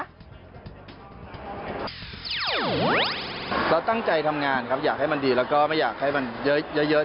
เราตั้งใจทำงานครับอยากให้มันดีแล้วก็ไม่อยากให้มันเยอะ